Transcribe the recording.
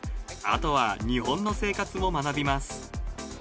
あとは日本の生活も学びます。